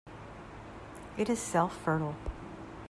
It is self-fertile.